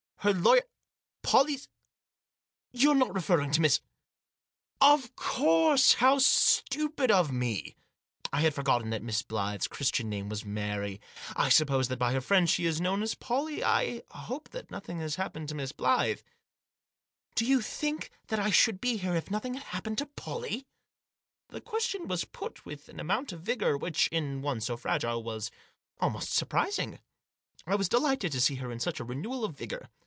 "Her lawyer? — Pollie's ? You're not referring to Miss ? Of course, how stupid of me ! I had forgotten that Miss Blyth's Christian name was Mary. I suppose that by her friends she is known as Pollie. I hope that nothing has happened to Miss Blyth." " Do you think that I should be here if nothing had happened to Pollie?" The question was put with an amount of vigour which, in one so fragile, was almost surprising. I was delighted to see in her such a renewal of vigour.